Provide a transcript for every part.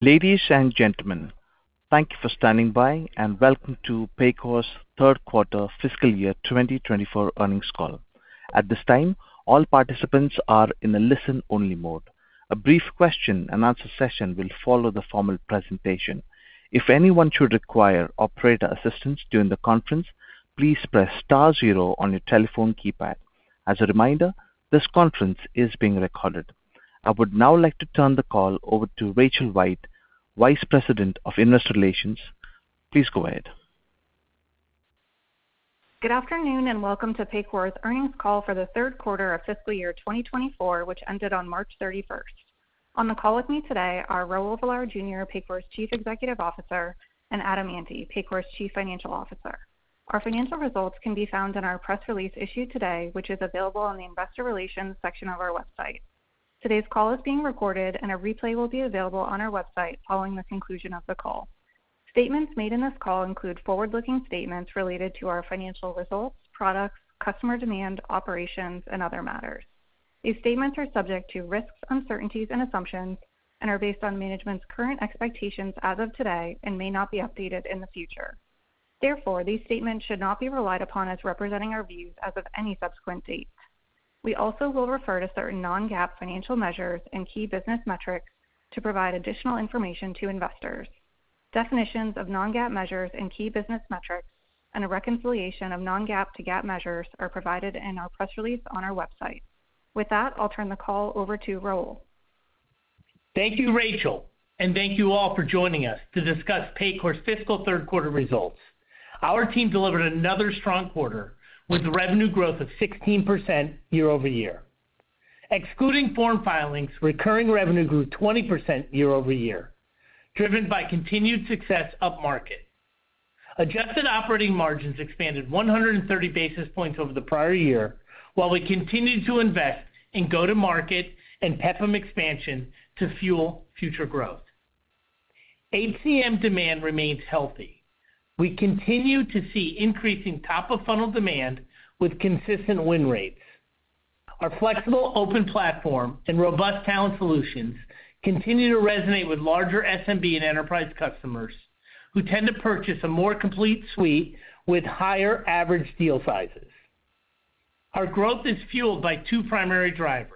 Ladies and gentlemen, thank you for standing by and welcome to Paycor's third quarter fiscal year 2024 earnings call. At this time, all participants are in the listen-only mode. A brief question-and-answer session will follow the formal presentation. If anyone should require operator assistance during the conference, please press star zero on your telephone keypad. As a reminder, this conference is being recorded. I would now like to turn the call over to Rachel White, Vice President of Investor Relations. Please go ahead. Good afternoon and welcome to Paycor's earnings call for the third quarter of fiscal year 2024, which ended on March 31st. On the call with me today are Raul Villar Jr., Paycor's Chief Executive Officer, and Adam Ante, Paycor's Chief Financial Officer. Our financial results can be found in our press release issued today, which is available on the Investor Relations section of our website. Today's call is being recorded, and a replay will be available on our website following the conclusion of the call. Statements made in this call include forward-looking statements related to our financial results, products, customer demand, operations, and other matters. These statements are subject to risks, uncertainties, and assumptions, and are based on management's current expectations as of today and may not be updated in the future. Therefore, these statements should not be relied upon as representing our views as of any subsequent date. We also will refer to certain non-GAAP financial measures and key business metrics to provide additional information to investors. Definitions of non-GAAP measures and key business metrics, and a reconciliation of non-GAAP to GAAP measures, are provided in our press release on our website. With that, I'll turn the call over to Raul. Thank you, Rachel, and thank you all for joining us to discuss Paycor's fiscal third quarter results. Our team delivered another strong quarter with revenue growth of 16% year-over-year. Excluding form filings, recurring revenue grew 20% year-over-year, driven by continued success up market. Adjusted operating margins expanded 130 basis points over the prior year, while we continue to invest in go-to-market and PEPM expansion to fuel future growth. ACM demand remains healthy. We continue to see increasing top-of-funnel demand with consistent win rates. Our flexible open platform and robust talent solutions continue to resonate with larger SMB and enterprise customers who tend to purchase a more complete suite with higher average deal sizes. Our growth is fueled by two primary drivers: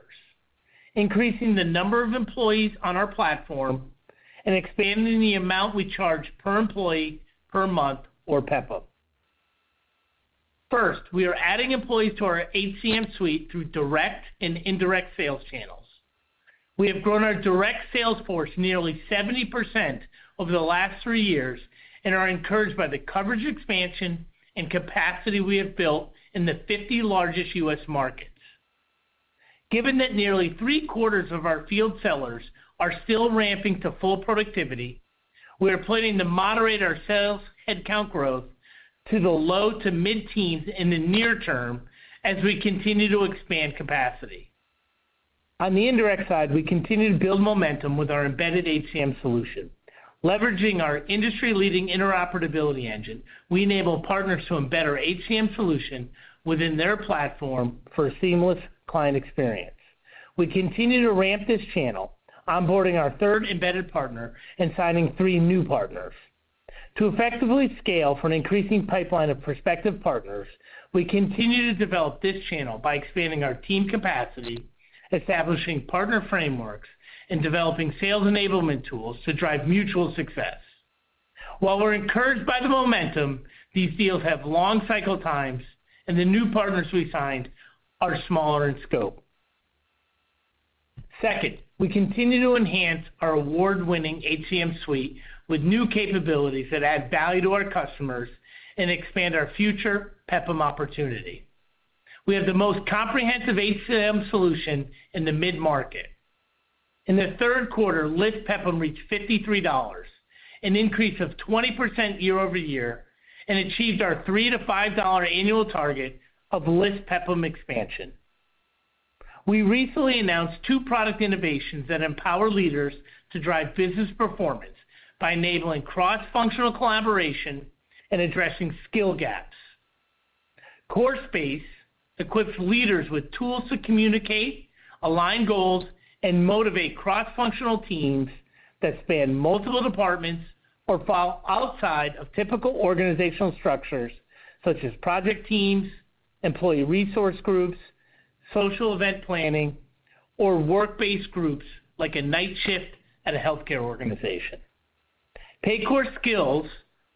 increasing the number of employees on our platform and expanding the amount we charge per employee per month or PEPM. First, we are adding employees to our HCM suite through direct and indirect sales channels. We have grown our direct sales force nearly 70% over the last 3 years and are encouraged by the coverage expansion and capacity we have built in the 50 largest U.S. markets. Given that nearly three-quarters of our field sellers are still ramping to full productivity, we are planning to moderate our sales headcount growth to the low to mid-teens in the near term as we continue to expand capacity. On the indirect side, we continue to build momentum with our embedded HCM solution. Leveraging our industry-leading interoperability engine, we enable partners to embed our HCM solution within their platform for a seamless client experience. We continue to ramp this channel, onboarding our third embedded partner, and signing three new partners. To effectively scale for an increasing pipeline of prospective partners, we continue to develop this channel by expanding our team capacity, establishing partner frameworks, and developing sales enablement tools to drive mutual success. While we're encouraged by the momentum, these deals have long cycle times, and the new partners we signed are smaller in scope. Second, we continue to enhance our award-winning HCM suite with new capabilities that add value to our customers and expand our future PEPM opportunity. We have the most comprehensive HCM solution in the mid-market. In the third quarter, List PEPM reached $53, an increase of 20% year-over-year, and achieved our $3-$5 annual target of List PEPM expansion. We recently announced two product innovations that empower leaders to drive business performance by enabling cross-functional collaboration and addressing skill gaps. Core space equips leaders with tools to communicate, align goals, and motivate cross-functional teams that span multiple departments or fall outside of typical organizational structures such as project teams, employee resource groups, social event planning, or work-based groups like a night shift at a healthcare organization. Paycor Skills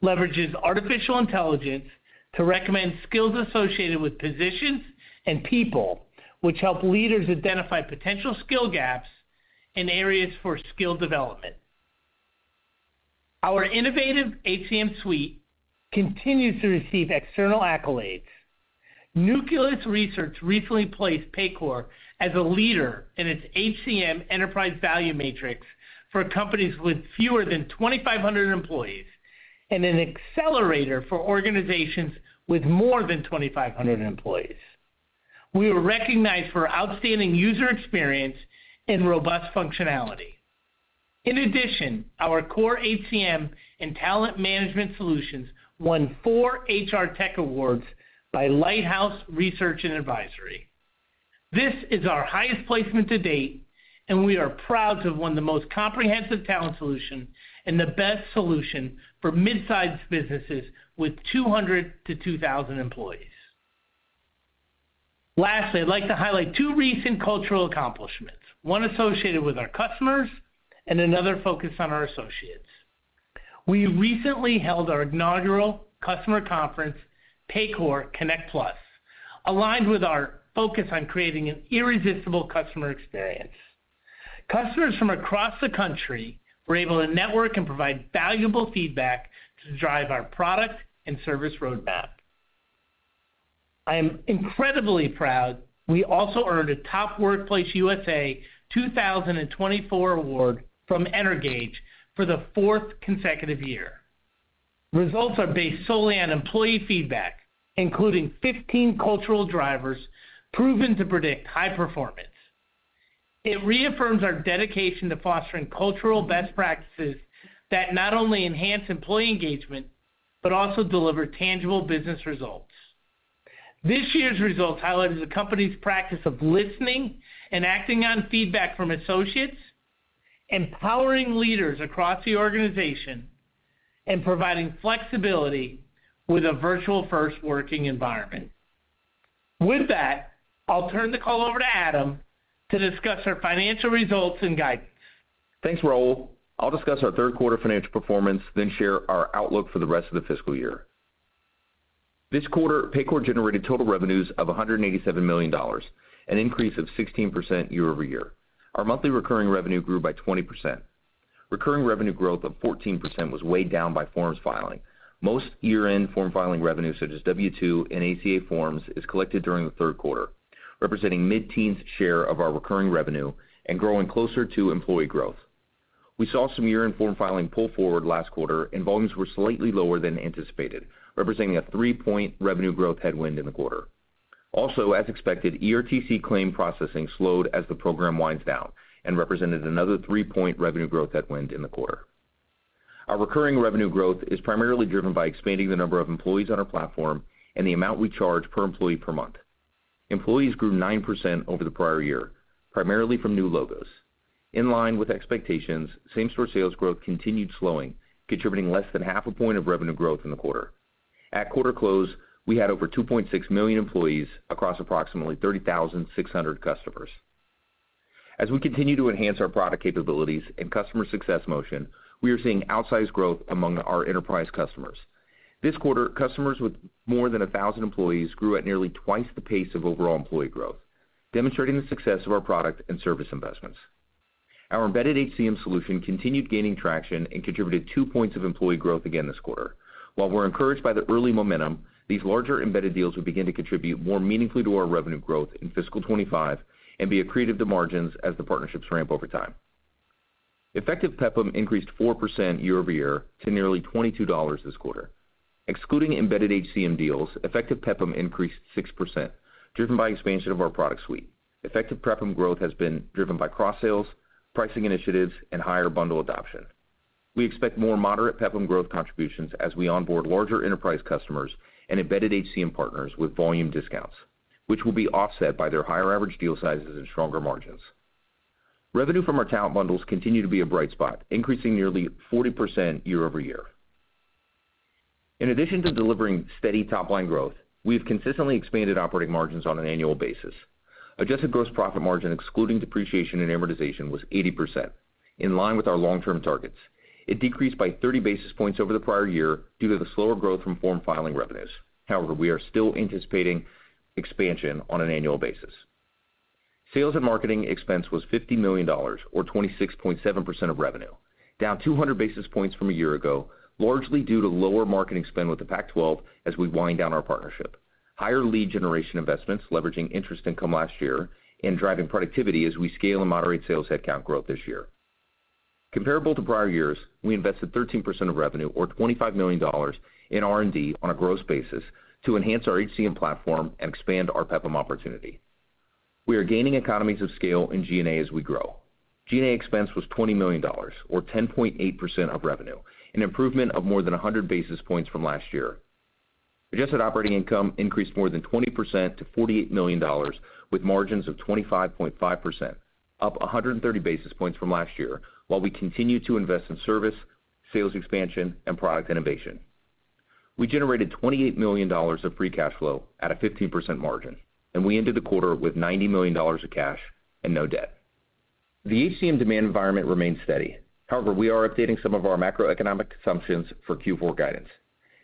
leverages artificial intelligence to recommend skills associated with positions and people, which help leaders identify potential skill gaps in areas for skill development. Our innovative HCM suite continues to receive external accolades. Nucleus Research recently placed Paycor as a leader in its HCM Enterprise Value Matrix for companies with fewer than 2,500 employees and an accelerator for organizations with more than 2,500 employees. We are recognized for outstanding user experience and robust functionality. In addition, our core HCM and talent management solutions won four HR Tech Awards by Lighthouse Research & Advisory. This is our highest placement to date, and we are proud to have won the most comprehensive talent solution and the best solution for midsize businesses with 200-2,000 employees. Lastly, I'd like to highlight two recent cultural accomplishments, one associated with our customers and another focused on our associates. We recently held our inaugural customer conference, Paycor Connect+, aligned with our focus on creating an irresistible customer experience. Customers from across the country were able to network and provide valuable feedback to drive our product and service roadmap. I am incredibly proud we also earned a Top Workplace USA 2024 award from Energage for the fourth consecutive year. Results are based solely on employee feedback, including 15 cultural drivers proven to predict high performance. It reaffirms our dedication to fostering cultural best practices that not only enhance employee engagement but also deliver tangible business results. This year's results highlighted the company's practice of listening and acting on feedback from associates, empowering leaders across the organization, and providing flexibility with a virtual-first working environment. With that, I'll turn the call over to Adam to discuss our financial results and guidance. Thanks, Raul. I'll discuss our third quarter financial performance, then share our outlook for the rest of the fiscal year. This quarter, Paycor generated total revenues of $187 million, an increase of 16% year-over-year. Our monthly recurring revenue grew by 20%. Recurring revenue growth of 14% was weighed down by form filing. Most year-end form filing revenue, such as W-2 and ACA forms, is collected during the third quarter, representing mid-teens' share of our recurring revenue and growing closer to employee growth. We saw some year-end form filing pull forward last quarter, and volumes were slightly lower than anticipated, representing a three-point revenue growth headwind in the quarter. Also, as expected, ERTC claim processing slowed as the program winds down and represented another three-point revenue growth headwind in the quarter. Our recurring revenue growth is primarily driven by expanding the number of employees on our platform and the amount we charge per employee per month. Employees grew 9% over the prior year, primarily from new logos. In line with expectations, same-store sales growth continued slowing, contributing less than half a point of revenue growth in the quarter. At quarter close, we had over 2.6 million employees across approximately 30,600 customers. As we continue to enhance our product capabilities and customer success motion, we are seeing outsized growth among our enterprise customers. This quarter, customers with more than 1,000 employees grew at nearly twice the pace of overall employee growth, demonstrating the success of our product and service investments. Our Embedded HCM solution continued gaining traction and contributed two points of employee growth again this quarter. While we're encouraged by the early momentum, these larger embedded deals would begin to contribute more meaningfully to our revenue growth in fiscal 2025 and be accretive to margins as the partnerships ramp over time. Effective PEPM increased 4% year-over-year to nearly $22 this quarter. Excluding embedded HCM deals, effective PEPM increased 6%, driven by expansion of our product suite. Effective PEPM growth has been driven by cross-sales, pricing initiatives, and higher bundle adoption. We expect more moderate PEPM growth contributions as we onboard larger enterprise customers and embedded HCM partners with volume discounts, which will be offset by their higher average deal sizes and stronger margins. Revenue from our talent bundles continues to be a bright spot, increasing nearly 40% year-over-year. In addition to delivering steady top-line growth, we have consistently expanded operating margins on an annual basis. Adjusted gross profit margin, excluding depreciation and amortization, was 80%, in line with our long-term targets. It decreased by 30 basis points over the prior year due to the slower growth from form filing revenues. However, we are still anticipating expansion on an annual basis. Sales and marketing expense was $50 million, or 26.7% of revenue, down 200 basis points from a year ago, largely due to lower marketing spend with the Pac-12 as we wind down our partnership, higher lead generation investments leveraging interest income last year, and driving productivity as we scale and moderate sales headcount growth this year. Comparable to prior years, we invested 13% of revenue, or $25 million, in R&D on a gross basis to enhance our HCM platform and expand our PEPM opportunity. We are gaining economies of scale in G&A as we grow. G&A expense was $20 million, or 10.8% of revenue, an improvement of more than 100 basis points from last year. Adjusted operating income increased more than 20% to $48 million, with margins of 25.5%, up 130 basis points from last year, while we continue to invest in service, sales expansion, and product innovation. We generated $28 million of free cash flow at a 15% margin, and we ended the quarter with $90 million of cash and no debt. The HCM demand environment remains steady. However, we are updating some of our macroeconomic assumptions for Q4 guidance.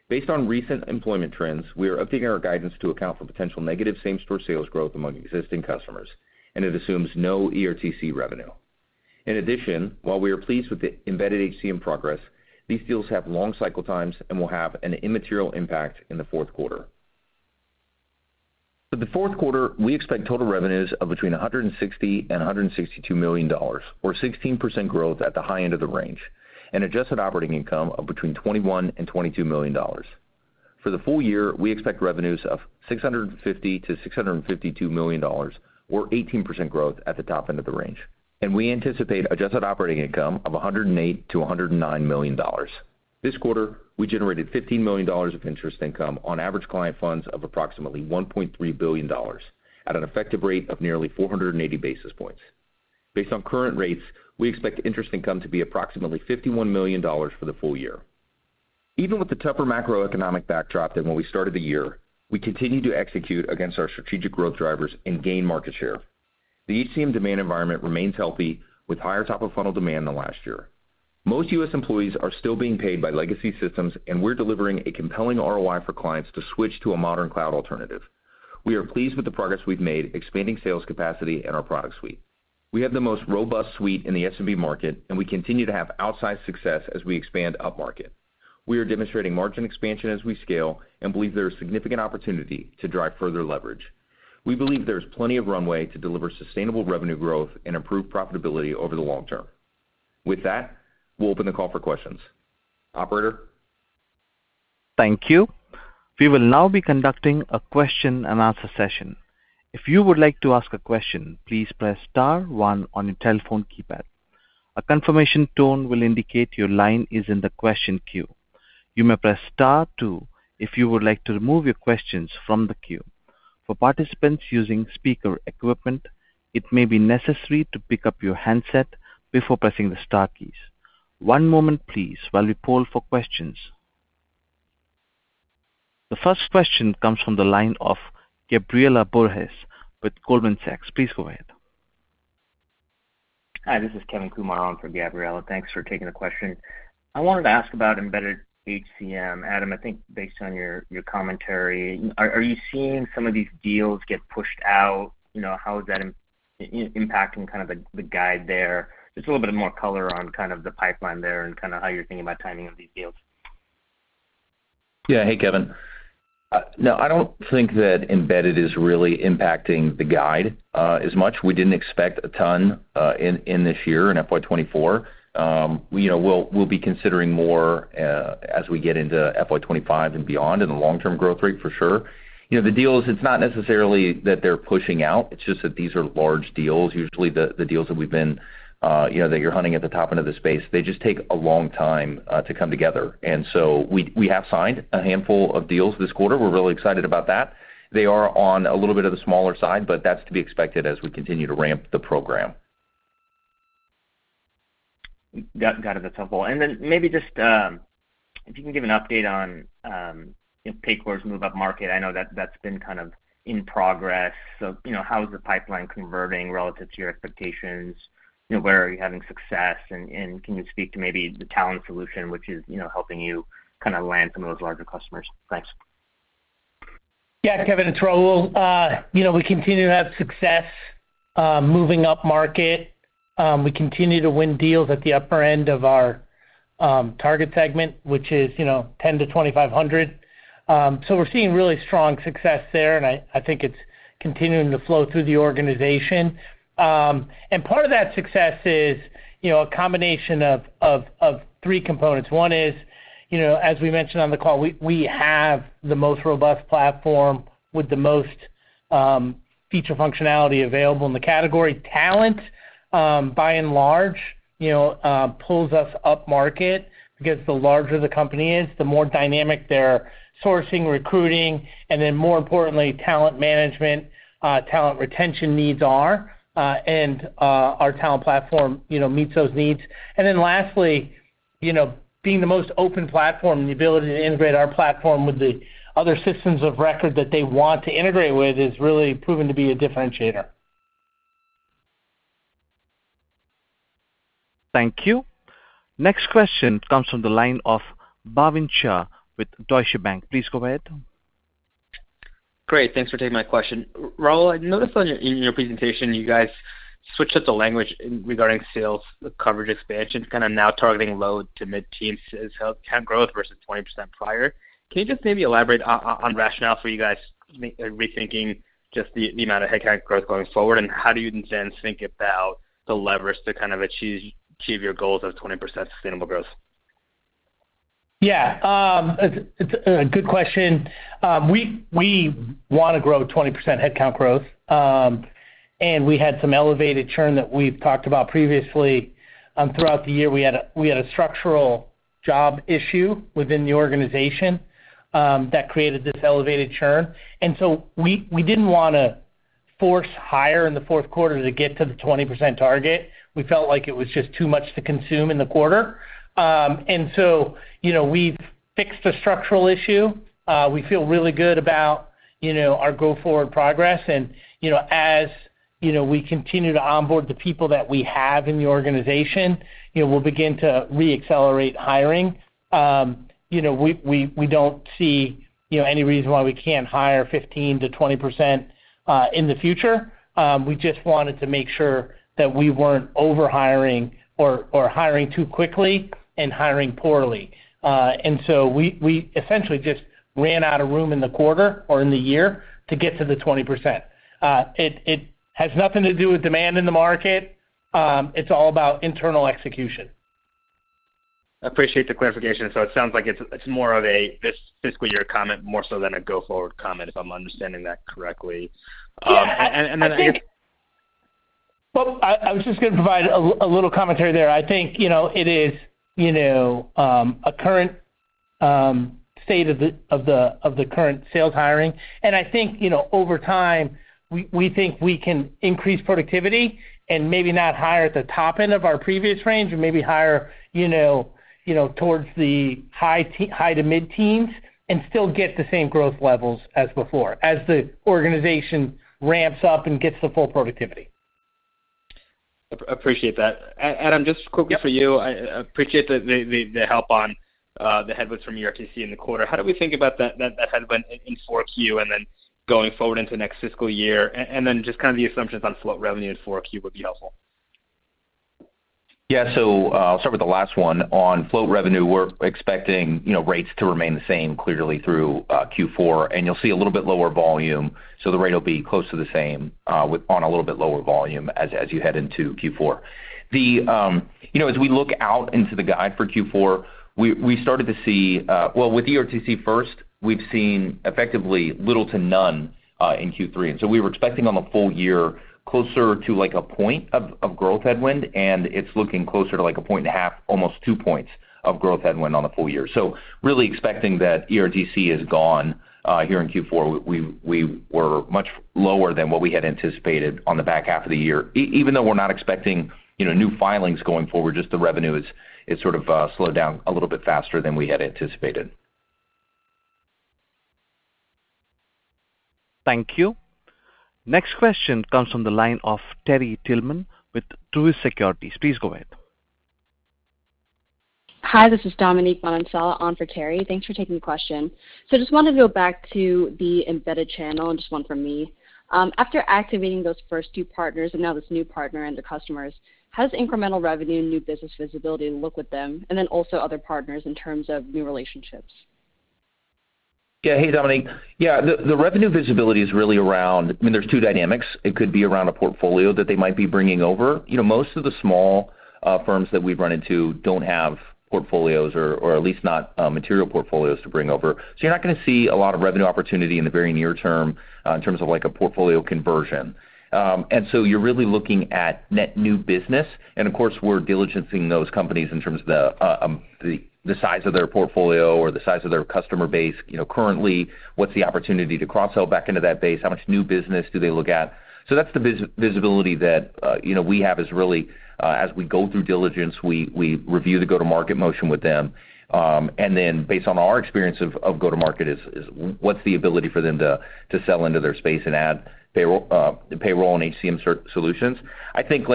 Based on recent employment trends, we are updating our guidance to account for potential negative same-store sales growth among existing customers, and it assumes no ERTC revenue. In addition, while we are pleased with the embedded HCM progress, these deals have long cycle times and will have an immaterial impact in the fourth quarter. For the fourth quarter, we expect total revenues of between $160 million and $162 million, or 16% growth at the high end of the range, and adjusted operating income of between $21 million and $22 million. For the full year, we expect revenues of $650 million-$652 million, or 18% growth at the top end of the range, and we anticipate adjusted operating income of $108 million-$109 million. This quarter, we generated $15 million of interest income on average client funds of approximately $1.3 billion, at an effective rate of nearly 480 basis points. Based on current rates, we expect interest income to be approximately $51 million for the full year. Even with the tougher macroeconomic backdrop than when we started the year, we continue to execute against our strategic growth drivers and gain market share. The HCM demand environment remains healthy, with higher top-of-funnel demand than last year. Most U.S. Employees are still being paid by legacy systems, and we're delivering a compelling ROI for clients to switch to a modern cloud alternative. We are pleased with the progress we've made, expanding sales capacity and our product suite. We have the most robust suite in the SMB market, and we continue to have outsized success as we expand upmarket. We are demonstrating margin expansion as we scale and believe there is significant opportunity to drive further leverage. We believe there is plenty of runway to deliver sustainable revenue growth and improved profitability over the long term. With that, we'll open the call for questions. Operator? Thank you. We will now be conducting a question-and-answer session. If you would like to ask a question, please press star one on your telephone keypad. A confirmation tone will indicate your line is in the question queue. You may press star two if you would like to remove your questions from the queue. For participants using speaker equipment, it may be necessary to pick up your handset before pressing the star keys. One moment, please, while we poll for questions. The first question comes from the line of Gabriela Borges with Goldman Sachs. Please go ahead. Hi, this is Kevin Kumar on for Gabriela. Thanks for taking the question. I wanted to ask about Embedded HCM. Adam, I think based on your commentary, are you seeing some of these deals get pushed out? How is that impacting kind of the guide there? Just a little bit more color on kind of the pipeline there and kind of how you're thinking about timing of these deals. Yeah, hey, Kevin. No, I don't think that embedded is really impacting the guide as much. We didn't expect a ton in this year, in FY2024. We'll be considering more as we get into FY2025 and beyond, and the long-term growth rate for sure. The deals, it's not necessarily that they're pushing out. It's just that these are large deals. Usually, the deals that we've been that you're hunting at the top end of the space, they just take a long time to come together. And so we have signed a handful of deals this quarter. We're really excited about that. They are on a little bit of the smaller side, but that's to be expected as we continue to ramp the program. Got it. That's helpful. And then maybe just if you can give an update on Paycor's move-up market. I know that that's been kind of in progress. So how is the pipeline converting relative to your expectations? Where are you having success? And can you speak to maybe the talent solution, which is helping you kind of land some of those larger customers? Thanks. Yeah, Kevin, it's Raul. We continue to have success moving up market. We continue to win deals at the upper end of our target segment, which is 10-2,500. So we're seeing really strong success there, and I think it's continuing to flow through the organization. And part of that success is a combination of three components. One is, as we mentioned on the call, we have the most robust platform with the most feature functionality available in the category. Talent, by and large, pulls us up market because the larger the company is, the more dynamic their sourcing, recruiting, and then more importantly, talent management, talent retention needs are. And our talent platform meets those needs. And then lastly, being the most open platform, the ability to integrate our platform with the other systems of record that they want to integrate with is really proven to be a differentiator. Thank you. Next question comes from the line of Bhavin Shah with Deutsche Bank. Please go ahead. Great. Thanks for taking my question. Raul, I noticed in your presentation, you guys switched up the language regarding sales coverage expansion, kind of now targeting low to mid-teens as headcount growth versus 20% prior. Can you just maybe elaborate on rationale for you guys rethinking just the amount of headcount growth going forward, and how do you then think about the levers to kind of achieve your goals of 20% sustainable growth? Yeah. It's a good question. We want to grow 20% headcount growth. And we had some elevated churn that we've talked about previously. Throughout the year, we had a structural job issue within the organization that created this elevated churn. And so we didn't want to force hire in the fourth quarter to get to the 20% target. We felt like it was just too much to consume in the quarter. And so we've fixed the structural issue. We feel really good about our go-forward progress. And as we continue to onboard the people that we have in the organization, we'll begin to re-accelerate hiring. We don't see any reason why we can't hire 15%-20% in the future. We just wanted to make sure that we weren't overhiring or hiring too quickly and hiring poorly. And so we essentially just ran out of room in the quarter or in the year to get to the 20%. It has nothing to do with demand in the market. It's all about internal execution. I appreciate the clarification. So it sounds like it's more of a fiscal year comment more so than a go-forward comment, if I'm understanding that correctly? And then I guess. Well, I was just going to provide a little commentary there. I think it is a current state of the current sales hiring. I think over time, we think we can increase productivity and maybe not hire at the top end of our previous range and maybe hire towards the high to mid-teens and still get the same growth levels as before as the organization ramps up and gets the full productivity. Appreciate that. Adam, just quickly for you. I appreciate the help on the headwinds from ERTC in the quarter. How do we think about that headwind in fourth Q and then going forward into next fiscal year? And then just kind of the assumptions on float revenue in fourth Q would be helpful. Yeah. So I'll start with the last one. On float revenue, we're expecting rates to remain the same, clearly, through Q4. And you'll see a little bit lower volume. So the rate will be close to the same on a little bit lower volume as you head into Q4. As we look out into the guide for Q4, we started to see well, with ERTC first, we've seen effectively little to none in Q3. And so we were expecting on the full year closer to a point of growth headwind, and it's looking closer to a point and a half, almost two points of growth headwind on the full year. So really expecting that ERTC is gone here in Q4, we were much lower than what we had anticipated on the back half of the year, even though we're not expecting new filings going forward. Just the revenue has sort of slowed down a little bit faster than we had anticipated. Thank you. Next question comes from the line of Terry Tillman with Truist Securities. Please go ahead. Hi, this is Dominique Manansala on for Terry. Thanks for taking the question. So I just want to go back to the embedded channel and just one from me. After activating those first two partners and now this new partner and the customers, how does incremental revenue and new business visibility look with them and then also other partners in terms of new relationships? Yeah. Hey, Dominique. Yeah, the revenue visibility is really around—I mean, there's two dynamics. It could be around a portfolio that they might be bringing over. Most of the small firms that we've run into don't have portfolios or at least not material portfolios to bring over. So you're not going to see a lot of revenue opportunity in the very near term in terms of a portfolio conversion. And so you're really looking at net new business. And of course, we're diligencing those companies in terms of the size of their portfolio or the size of their customer base. Currently, what's the opportunity to cross-sell back into that base? How much new business do they look at? So that's the visibility that we have is really as we go through diligence, we review the go-to-market motion with them. And then based on our experience of go-to-market, what's the ability for them to sell into their space and add payroll and HCM solutions? I think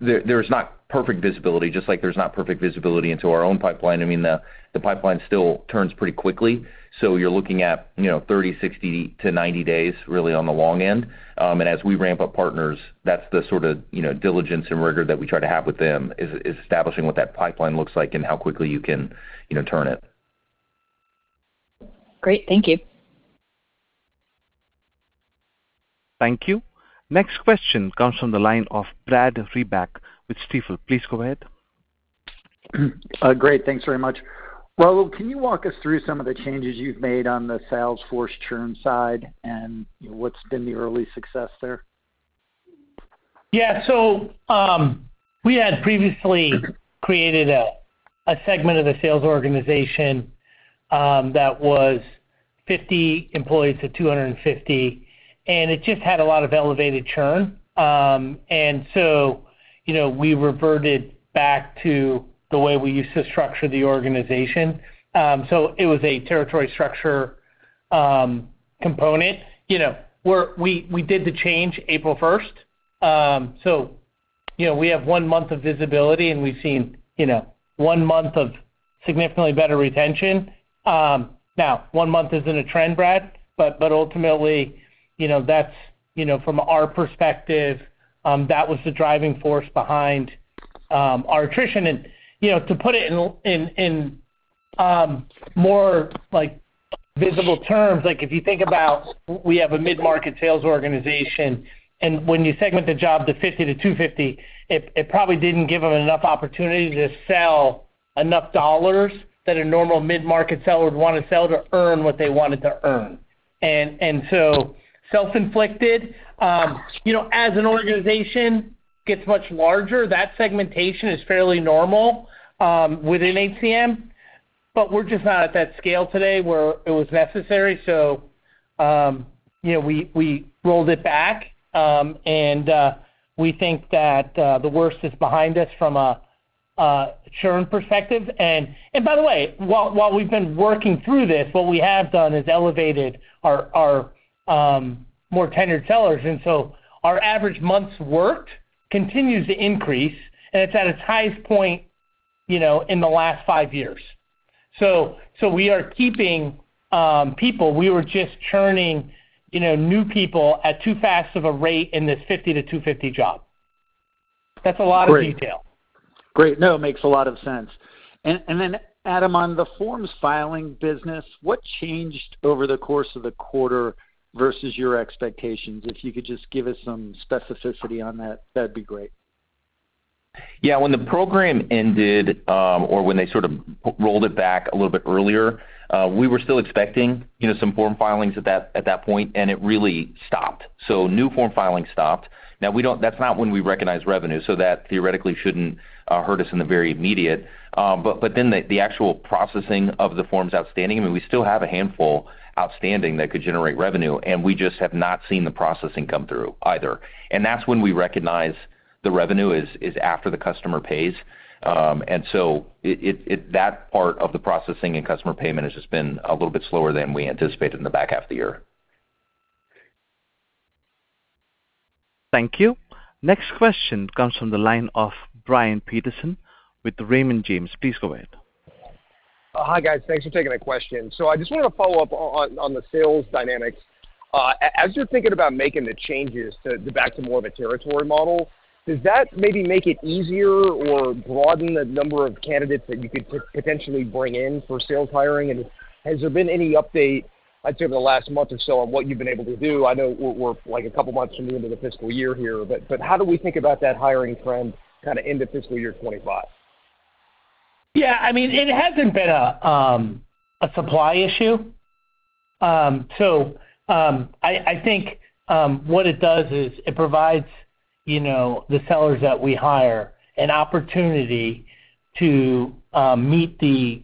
there's not perfect visibility, just like there's not perfect visibility into our own pipeline. I mean, the pipeline still turns pretty quickly. So you're looking at 30, 60 to 90 days, really, on the long end. And as we ramp up partners, that's the sort of diligence and rigor that we try to have with them is establishing what that pipeline looks like and how quickly you can turn it. Great. Thank you. Thank you. Next question comes from the line of Brad Reback with Stifel. Please go ahead. Great. Thanks very much. Raul, can you walk us through some of the changes you've made on the sales force churn side and what's been the early success there? Yeah. So we had previously created a segment of the sales organization that was 50-250 employees, and it just had a lot of elevated churn. And so we reverted back to the way we used to structure the organization. So it was a territory structure component. We did the change April 1st. So we have one month of visibility, and we've seen one month of significantly better retention. Now, one month isn't a trend, Brad, but ultimately, from our perspective, that was the driving force behind our attrition. And to put it in more visible terms, if you think about we have a mid-market sales organization. And when you segment the job to 50-250, it probably didn't give them enough opportunity to sell enough dollars that a normal mid-market seller would want to sell to earn what they wanted to earn. And so self-inflicted, as an organization, gets much larger. That segmentation is fairly normal within HCM. We're just not at that scale today where it was necessary. We rolled it back. We think that the worst is behind us from a churn perspective. By the way, while we've been working through this, what we have done is elevated our more tenured sellers. Our average month's work continues to increase, and it's at its highest point in the last five years. We are keeping people. We were just churning new people at too fast of a rate in this 50-250 job. That's a lot of detail. Great. No, it makes a lot of sense. And then, Adam, on the forms filing business, what changed over the course of the quarter versus your expectations? If you could just give us some specificity on that, that'd be great. Yeah. When the program ended or when they sort of rolled it back a little bit earlier, we were still expecting some Form Filings at that point, and it really stopped. So new Form Filing stopped. Now, that's not when we recognize revenue, so that theoretically shouldn't hurt us in the very immediate. But then the actual processing of the forms outstanding I mean, we still have a handful outstanding that could generate revenue, and we just have not seen the processing come through either. And that's when we recognize the revenue is after the customer pays. And so that part of the processing and customer payment has just been a little bit slower than we anticipated in the back half of the year. Thank you. Next question comes from the line of Brian Peterson with Raymond James. Please go ahead. Hi, guys. Thanks for taking my question. So I just wanted to follow up on the sales dynamics. As you're thinking about making the changes back to more of a territory model, does that maybe make it easier or broaden the number of candidates that you could potentially bring in for sales hiring? And has there been any update, I'd say, over the last month or so on what you've been able to do? I know we're a couple of months from the end of the fiscal year here, but how do we think about that hiring trend kind of into fiscal year 2025? Yeah. I mean, it hasn't been a supply issue. So I think what it does is it provides the sellers that we hire an opportunity to meet the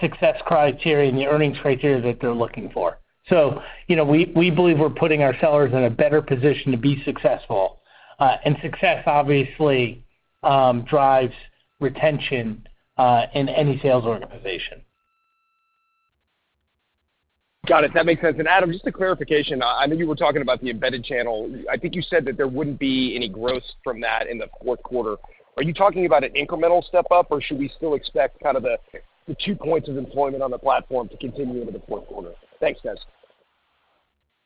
success criteria and the earnings criteria that they're looking for. So we believe we're putting our sellers in a better position to be successful. And success, obviously, drives retention in any sales organization. Got it. That makes sense. And Adam, just a clarification. I know you were talking about the embedded channel. I think you said that there wouldn't be any growth from that in the fourth quarter. Are you talking about an incremental step up, or should we still expect kind of the two points of employment on the platform to continue into the fourth quarter? Thanks, guys.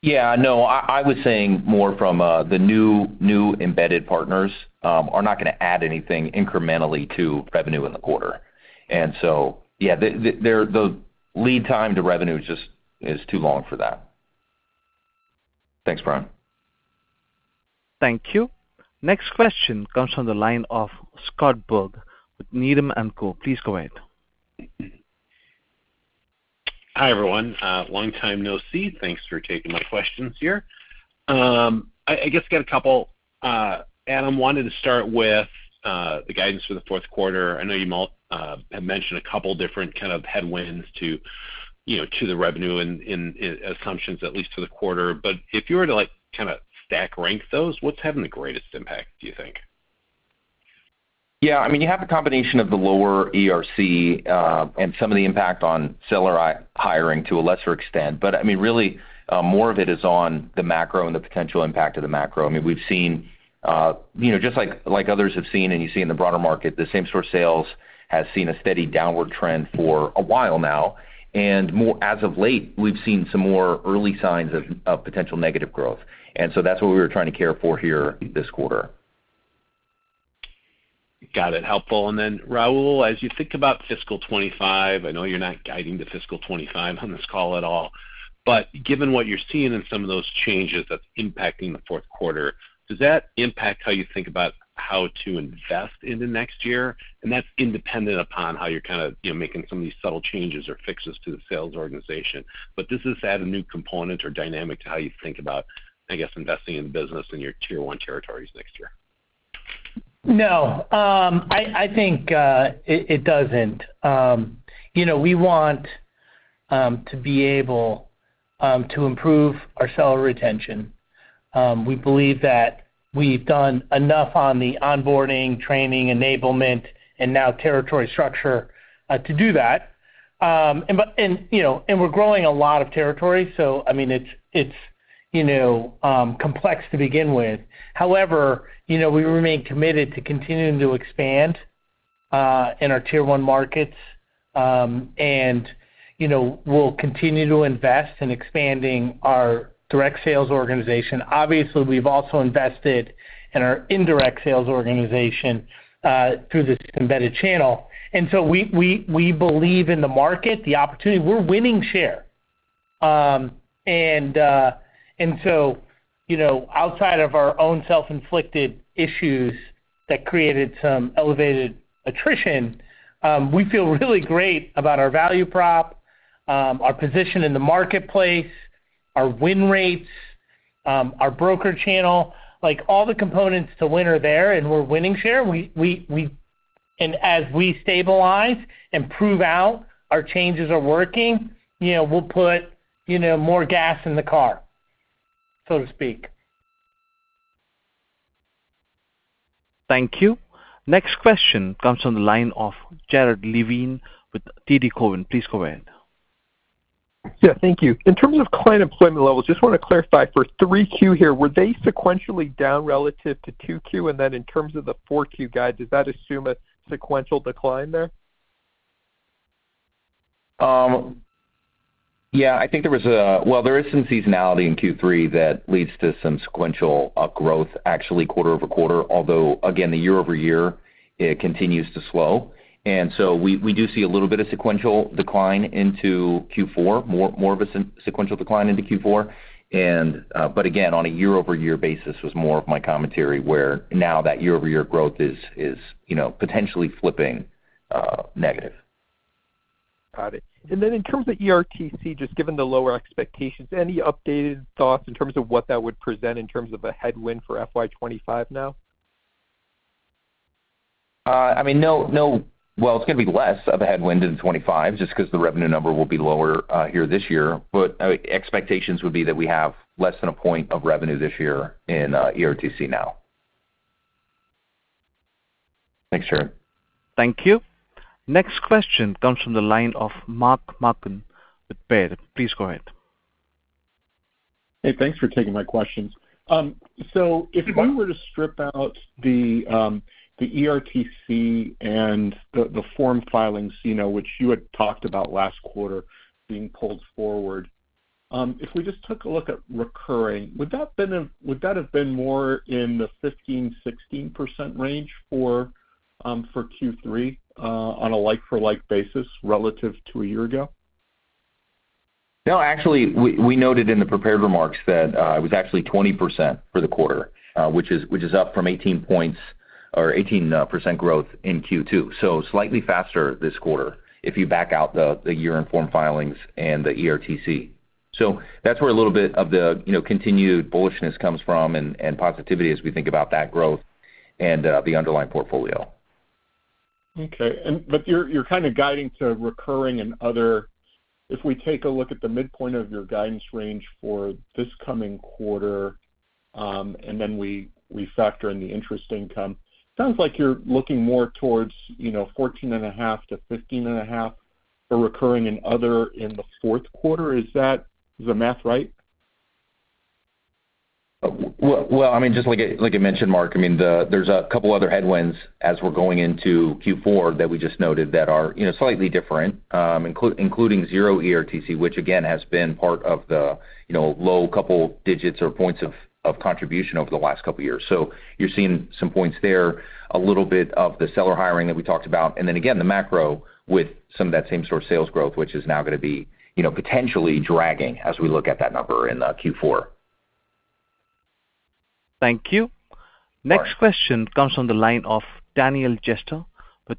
Yeah. No, I was saying more from the new embedded partners are not going to add anything incrementally to revenue in the quarter. And so yeah, the lead time to revenue is too long for that. Thanks, Brian. Thank you. Next question comes from the line of Scott Berg with Needham & Co. Please go ahead. Hi, everyone. Long time no see. Thanks for taking my questions here. I guess I got a couple. Adam, wanted to start with the guidance for the fourth quarter. I know you all have mentioned a couple of different kind of headwinds to the revenue and assumptions, at least for the quarter. But if you were to kind of stack rank those, what's having the greatest impact, do you think? Yeah. I mean, you have the combination of the lower ERC and some of the impact on seller hiring to a lesser extent. But I mean, really, more of it is on the macro and the potential impact of the macro. I mean, we've seen just like others have seen, and you see in the broader market, the same-store sales has seen a steady downward trend for a while now. And as of late, we've seen some more early signs of potential negative growth. And so that's what we were trying to care for here this quarter. Got it. Helpful. And then, Raul, as you think about fiscal 2025 I know you're not guiding to fiscal 2025 on this call at all. But given what you're seeing in some of those changes that's impacting the fourth quarter, does that impact how you think about how to invest into next year? And that's independent upon how you're kind of making some of these subtle changes or fixes to the sales organization. But does this add a new component or dynamic to how you think about, I guess, investing in the business and your tier one territories next year? No. I think it doesn't. We want to be able to improve our seller retention. We believe that we've done enough on the onboarding, training, enablement, and now territory structure to do that. And we're growing a lot of territory, so I mean, it's complex to begin with. However, we remain committed to continuing to expand in our tier one markets, and we'll continue to invest in expanding our direct sales organization. Obviously, we've also invested in our indirect sales organization through this embedded channel. And so we believe in the market, the opportunity. We're winning share. And so outside of our own self-inflicted issues that created some elevated attrition, we feel really great about our value prop, our position in the marketplace, our win rates, our broker channel. All the components to win are there, and we're winning share. As we stabilize and prove out our changes are working, we'll put more gas in the car, so to speak. Thank you. Next question comes from the line of Jared Levine with TD Cowen. Please go ahead. Yeah. Thank you. In terms of client employment levels, just want to clarify for 3Q here, were they sequentially down relative to Q2? And then in terms of the 4Q guide, does that assume a sequential decline there? Yeah. I think there was, well, there is some seasonality in Q3 that leads to some sequential growth, actually, quarter-over-quarter, although, again, the year-over-year, it continues to slow. And so we do see a little bit of sequential decline into Q4, more of a sequential decline into Q4. But again, on a year-over-year basis was more of my commentary where now that year-over-year growth is potentially flipping negative. Got it. Then in terms of ERTC, just given the lower expectations, any updated thoughts in terms of what that would present in terms of a headwind for FY2025 now? I mean, no, well, it's going to be less of a headwind in 2025 just because the revenue number will be lower here this year. But expectations would be that we have less than a point of revenue this year in ERTC now. Thanks, Jared. Thank you. Next question comes from the line of Mark Marcon with Baird. Please go ahead. Hey. Thanks for taking my questions. So if we were to strip out the ERTC and the form filings, which you had talked about last quarter being pulled forward, if we just took a look at recurring, would that have been more in the 15%-16% range for Q3 on a like-for-like basis relative to a year ago? No. Actually, we noted in the prepared remarks that it was actually 20% for the quarter, which is up from 18 points or 18% growth in Q2, so slightly faster this quarter if you back out the year-end form filings and the ERTC. So that's where a little bit of the continued bullishness comes from and positivity as we think about that growth and the underlying portfolio. Okay. But you're kind of guiding to recurring and other if we take a look at the midpoint of your guidance range for this coming quarter and then we factor in the interest income, it sounds like you're looking more towards $14.5-$15.5 of recurring and other in the fourth quarter. Is the math right? Well, I mean, just like I mentioned, Mark, I mean, there's a couple of other headwinds as we're going into Q4 that we just noted that are slightly different, including zero ERTC, which, again, has been part of the low couple digits or points of contribution over the last couple of years. So you're seeing some points there, a little bit of the seller hiring that we talked about, and then, again, the macro with some of that same sort of sales growth, which is now going to be potentially dragging as we look at that number in Q4. Thank you. Next question comes from the line of Daniel Jester with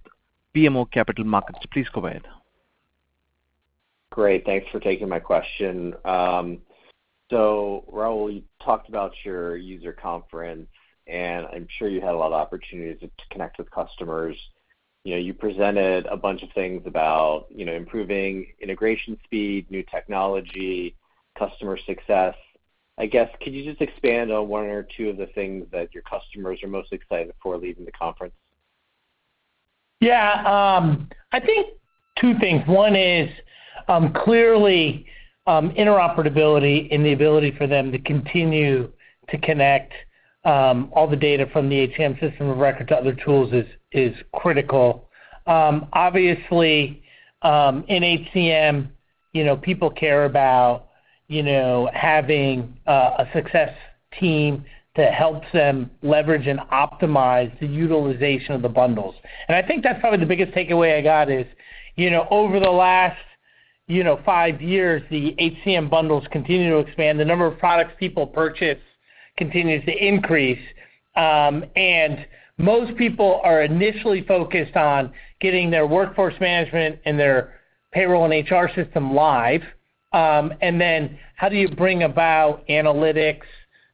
BMO Capital Markets. Please go ahead. Great. Thanks for taking my question. So Raul, you talked about your user conference, and I'm sure you had a lot of opportunities to connect with customers. You presented a bunch of things about improving integration speed, new technology, customer success. I guess, could you just expand on one or two of the things that your customers are most excited for leaving the conference? Yeah. I think two things. One is clearly interoperability and the ability for them to continue to connect all the data from the HCM system of record to other tools is critical. Obviously, in HCM, people care about having a success team that helps them leverage and optimize the utilization of the bundles. And I think that's probably the biggest takeaway I got is over the last five years, the HCM bundles continue to expand. The number of products people purchase continues to increase. And most people are initially focused on getting their workforce management and their payroll and HR system live. And then how do you bring about analytics,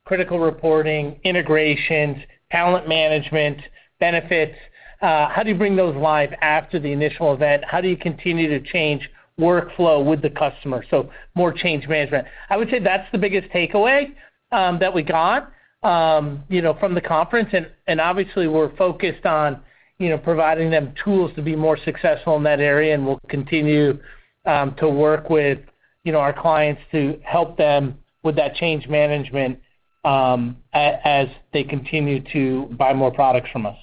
critical reporting, integrations, talent management, benefits? How do you bring those live after the initial event? How do you continue to change workflow with the customer? So more change management. I would say that's the biggest takeaway that we got from the conference. Obviously, we're focused on providing them tools to be more successful in that area, and we'll continue to work with our clients to help them with that change management as they continue to buy more products from us.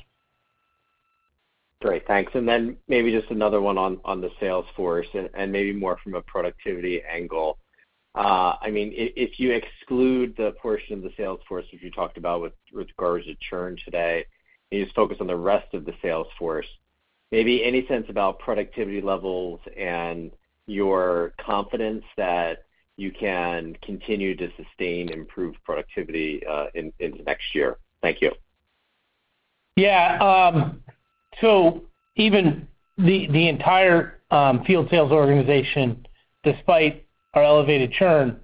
Great. Thanks. And then maybe just another one on the sales force and maybe more from a productivity angle. I mean, if you exclude the portion of the sales force which you talked about with regards to churn today and you just focus on the rest of the sales force, maybe any sense about productivity levels and your confidence that you can continue to sustain improved productivity into next year? Thank you. Yeah. So even the entire field sales organization, despite our elevated churn,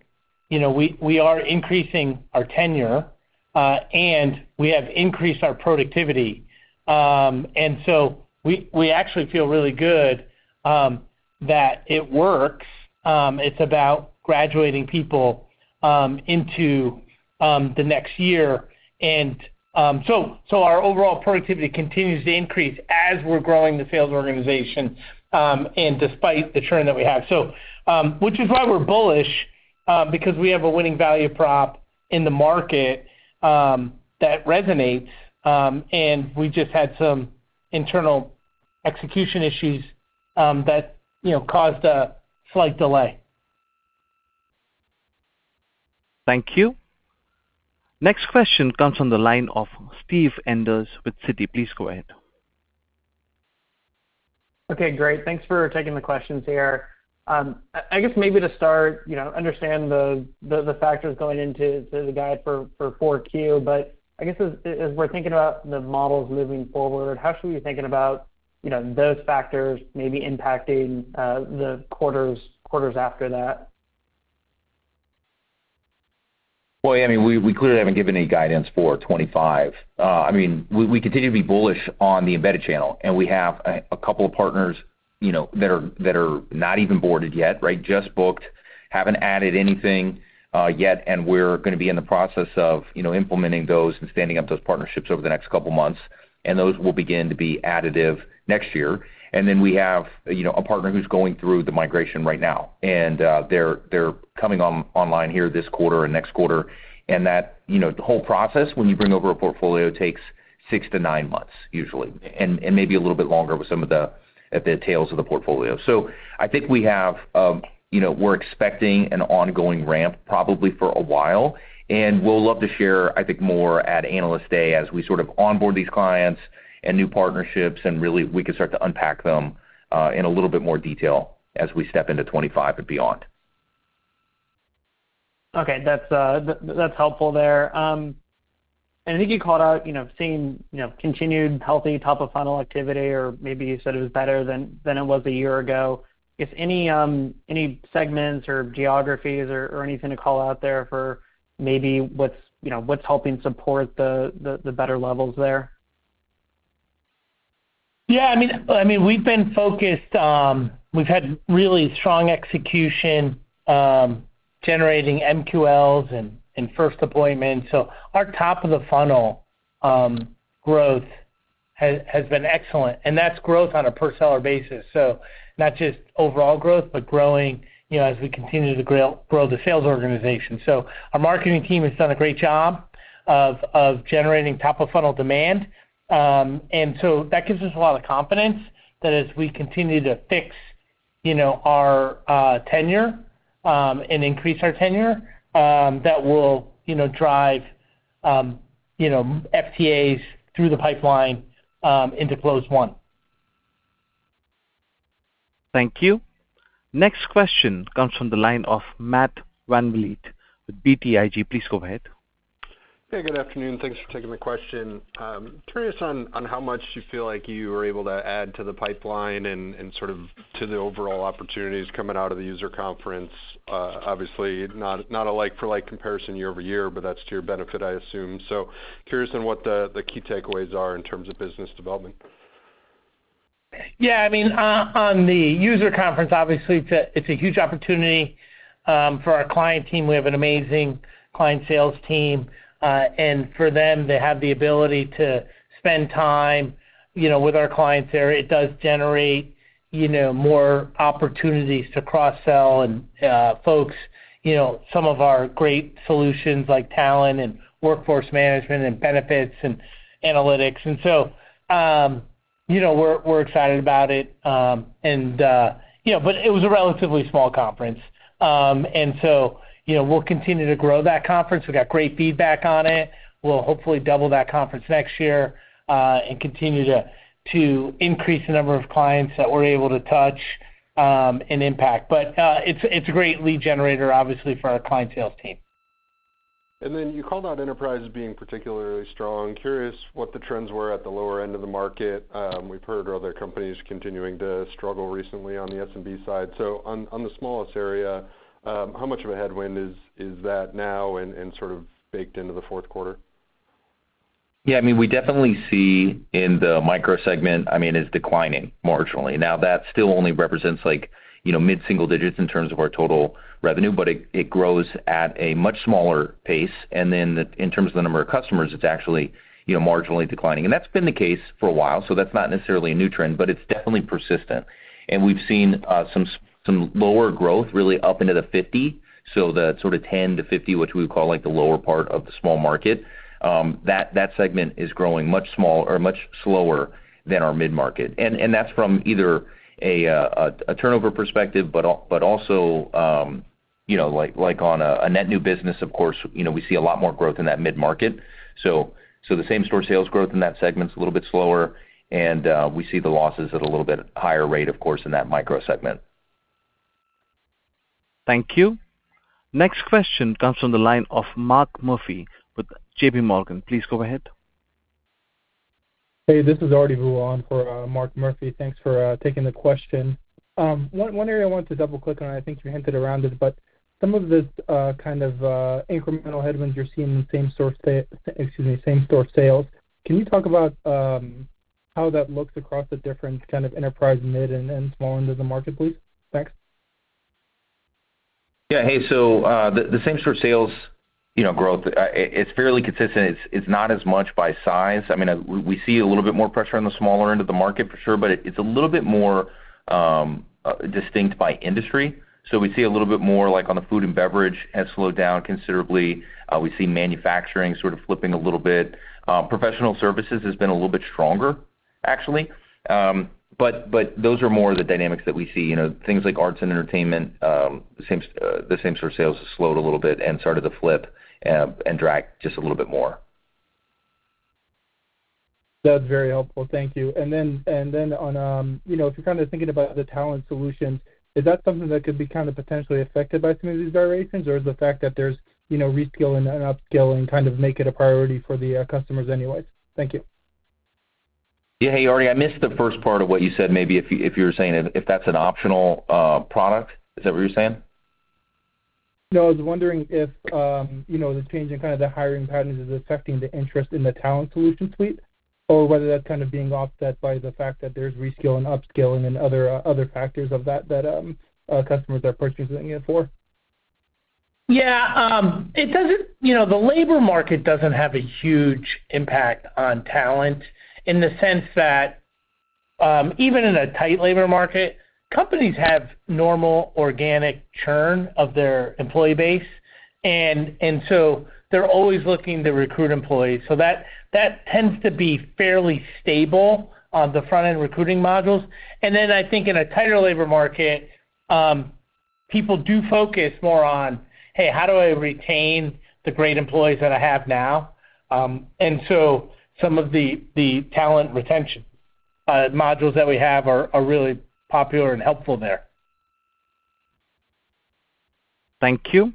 we are increasing our tenure, and we have increased our productivity. And so we actually feel really good that it works. It's about graduating people into the next year. And so our overall productivity continues to increase as we're growing the sales organization and despite the churn that we have, which is why we're bullish because we have a winning value prop in the market that resonates. And we just had some internal execution issues that caused a slight delay. Thank you. Next question comes from the line of Steve Enders with Citi. Please go ahead. Okay. Great. Thanks for taking the questions here. I guess maybe to start, understand the factors going into the guide for 4Q. But I guess as we're thinking about the models moving forward, how should we be thinking about those factors maybe impacting the quarters after that? Well, yeah. I mean, we clearly haven't given any guidance for 2025. I mean, we continue to be bullish on the embedded channel. And we have a couple of partners that are not even boarded yet, right, just booked, haven't added anything yet. And we're going to be in the process of implementing those and standing up those partnerships over the next couple of months. And those will begin to be additive next year. And then we have a partner who's going through the migration right now. And they're coming online here this quarter and next quarter. And the whole process, when you bring over a portfolio, takes six to nine months usually and maybe a little bit longer with some of the tails of the portfolio. So I think we're expecting an ongoing ramp probably for a while. We'll love to share, I think, more at Analyst Day as we sort of onboard these clients and new partnerships. Really, we can start to unpack them in a little bit more detail as we step into 2025 and beyond. Okay. That's helpful there. And I think you called out seeing continued healthy top-of-funnel activity, or maybe you said it was better than it was a year ago. I guess any segments or geographies or anything to call out there for maybe what's helping support the better levels there? Yeah. I mean, we've been focused. We've had really strong execution generating MQLs and first appointments. So our top-of-the-funnel growth has been excellent. And that's growth on a per-seller basis, so not just overall growth but growing as we continue to grow the sales organization. So our marketing team has done a great job of generating top-of-funnel demand. And so that gives us a lot of confidence that as we continue to fix our tenure and increase our tenure, that will drive FTAs through the pipeline into close one. Thank you. Next question comes from the line of Matt Van Vliet with BTIG. Please go ahead. Hey. Good afternoon. Thanks for taking the question. Curious on how much you feel like you were able to add to the pipeline and sort of to the overall opportunities coming out of the user conference. Obviously, not a like-for-like comparison year over year, but that's to your benefit, I assume. So curious on what the key takeaways are in terms of business development. Yeah. I mean, on the user conference, obviously, it's a huge opportunity for our client team. We have an amazing client sales team. And for them, they have the ability to spend time with our clients there. It does generate more opportunities to cross-sell folks, some of our great solutions like talent and workforce management and benefits and analytics. And so we're excited about it. But it was a relatively small conference. And so we'll continue to grow that conference. We've got great feedback on it. We'll hopefully double that conference next year and continue to increase the number of clients that we're able to touch and impact. But it's a great lead generator, obviously, for our client sales team. Then you called out enterprise as being particularly strong. Curious what the trends were at the lower end of the market. We've heard other companies continuing to struggle recently on the SMB side. So on the smallest area, how much of a headwind is that now and sort of baked into the fourth quarter? Yeah. I mean, we definitely see in the microsegment, I mean, is declining marginally. Now, that still only represents mid-single digits in terms of our total revenue, but it grows at a much smaller pace. And then in terms of the number of customers, it's actually marginally declining. And that's been the case for a while. So that's not necessarily a new trend, but it's definitely persistent. And we've seen some lower growth really up into the 50, so the sort of 10-50, which we would call the lower part of the small market. That segment is growing much smaller or much slower than our mid-market. And that's from either a turnover perspective but also like on a net new business, of course, we see a lot more growth in that mid-market. So the same store sales growth in that segment's a little bit slower. We see the losses at a little bit higher rate, of course, in that micro segment. Thank you. Next question comes from the line of Mark Murphy with J.P. Morgan. Please go ahead. Hey. This is Arti Vula for Mark Murphy. Thanks for taking the question. One area I wanted to double-click on, I think you hinted around it, but some of the kind of incremental headwinds you're seeing in the same source excuse me, same-store sales. Can you talk about how that looks across the different kind of enterprise mid and small end of the market, please? Thanks. Yeah. Hey. So the same-store sales growth, it's fairly consistent. It's not as much by size. I mean, we see a little bit more pressure on the smaller end of the market for sure, but it's a little bit more distinct by industry. So we see a little bit more like on the food and beverage has slowed down considerably. We see manufacturing sort of flipping a little bit. Professional services has been a little bit stronger, actually. But those are more the dynamics that we see. Things like arts and entertainment, the same-store sales has slowed a little bit and started to flip and drag just a little bit more. That's very helpful. Thank you. And then if you're kind of thinking about the talent solutions, is that something that could be kind of potentially affected by some of these variations, or is the fact that there's reskilling and upskilling kind of make it a priority for the customers anyways? Thank you. Yeah. Hey, Arti, I missed the first part of what you said maybe if you were saying if that's an optional product. Is that what you were saying? No. I was wondering if the change in kind of the hiring patterns is affecting the interest in the talent solution suite or whether that's kind of being offset by the fact that there's reskill and upskilling and other factors of that that customers are purchasing it for. Yeah. The labor market doesn't have a huge impact on talent in the sense that even in a tight labor market, companies have normal organic churn of their employee base. And so they're always looking to recruit employees. So that tends to be fairly stable on the front-end recruiting modules. And then I think in a tighter labor market, people do focus more on, "Hey, how do I retain the great employees that I have now?" And so some of the talent retention modules that we have are really popular and helpful there. Thank you.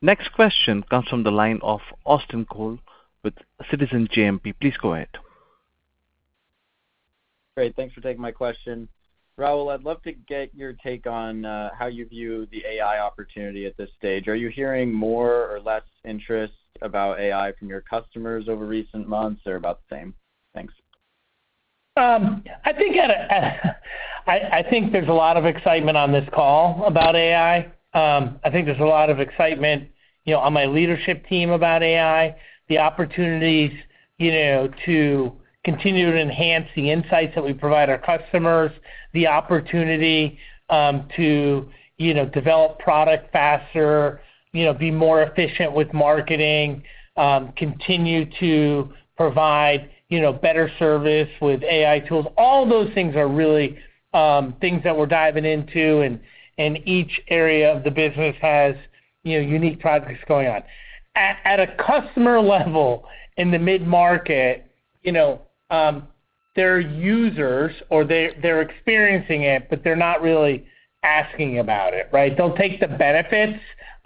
Next question comes from the line of Austin Cole with Citizens JMP. Please go ahead. Great. Thanks for taking my question. Raul, I'd love to get your take on how you view the AI opportunity at this stage. Are you hearing more or less interest about AI from your customers over recent months, or about the same? Thanks. I think there's a lot of excitement on this call about AI. I think there's a lot of excitement on my leadership team about AI, the opportunities to continue to enhance the insights that we provide our customers, the opportunity to develop product faster, be more efficient with marketing, continue to provide better service with AI tools. All those things are really things that we're diving into. Each area of the business has unique projects going on. At a customer level in the mid-market, there are users or they're experiencing it, but they're not really asking about it, right? They'll take the benefits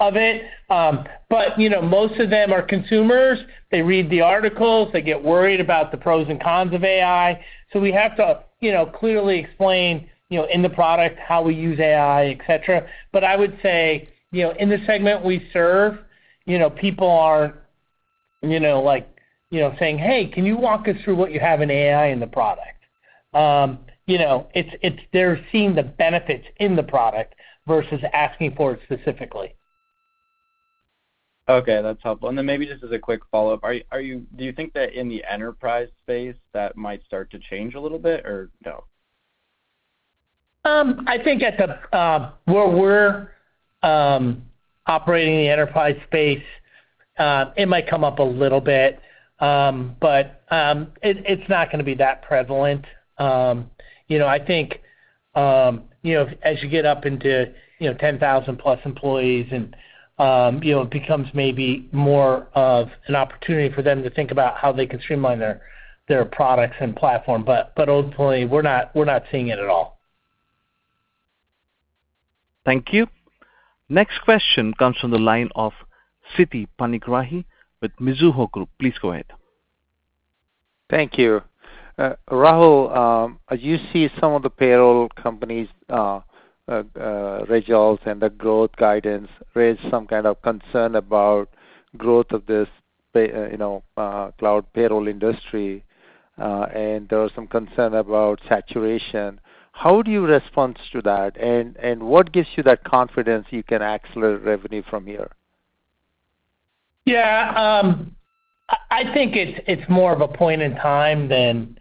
of it. But most of them are consumers. They read the articles. They get worried about the pros and cons of AI. We have to clearly explain in the product how we use AI, etc. I would say in the segment we serve, people aren't saying, "Hey, can you walk us through what you have in AI in the product?" They're seeing the benefits in the product versus asking for it specifically. Okay. That's helpful. Then maybe just as a quick follow-up, do you think that in the enterprise space, that might start to change a little bit, or no? I think where we're operating the enterprise space, it might come up a little bit, but it's not going to be that prevalent. I think as you get up into 10,000+ employees, it becomes maybe more of an opportunity for them to think about how they can streamline their products and platform. But ultimately, we're not seeing it at all. Thank you. Next question comes from the line of Siti Panigrahi with Mizuho Group. Please go ahead. Thank you. Raul, as you see some of the payroll companies, results and the growth guidance raise some kind of concern about growth of this cloud payroll industry. There was some concern about saturation. How do you respond to that? And what gives you that confidence you can accelerate revenue from here? Yeah. I think it's more of a point in time than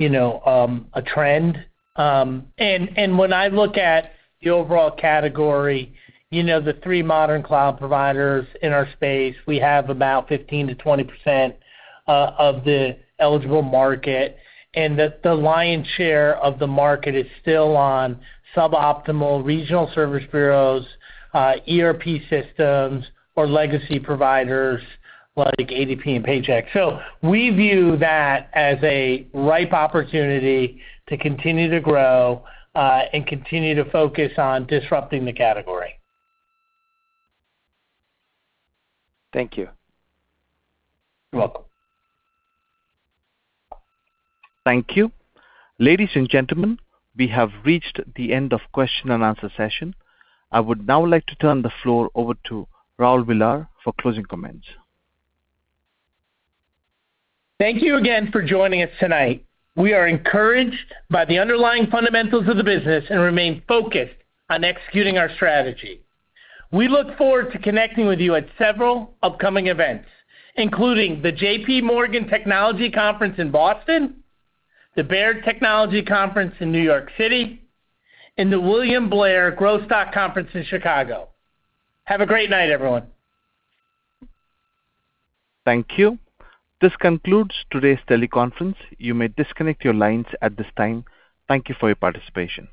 a trend. And when I look at the overall category, the three modern cloud providers in our space, we have about 15%-20% of the eligible market. And the lion's share of the market is still on suboptimal regional service bureaus, ERP systems, or legacy providers like ADP and Paychex. So we view that as a ripe opportunity to continue to grow and continue to focus on disrupting the category. Thank you. You're welcome. Thank you. Ladies and gentlemen, we have reached the end of question-and-answer session. I would now like to turn the floor over to Raul Villar for closing comments. Thank you again for joining us tonight. We are encouraged by the underlying fundamentals of the business and remain focused on executing our strategy. We look forward to connecting with you at several upcoming events, including the J.P. Morgan Technology Conference in Boston, the Baird Technology Conference in New York City, and the William Blair Growth Stock Conference in Chicago. Have a great night, everyone. Thank you. This concludes today's teleconference. You may disconnect your lines at this time. Thank you for your participation.